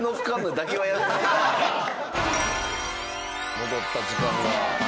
戻った時間が。